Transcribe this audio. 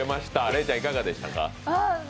レイちゃん、いかがでしたか？